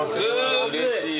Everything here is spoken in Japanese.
うれしいわ。